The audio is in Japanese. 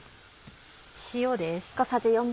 塩です。